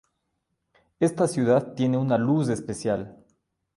Esta ciudad tiene una luz especial